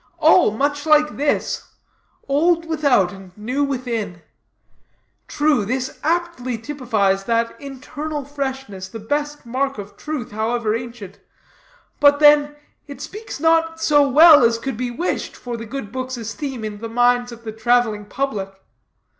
All much like this old without, and new within. True, this aptly typifies that internal freshness, the best mark of truth, however ancient; but then, it speaks not so well as could be wished for the good book's esteem in the minds of the traveling public.